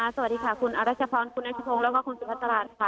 สวัสดีค่ะคุณอรัชพรคุณนัชพรและคุณสิริวัตรราชนะคะ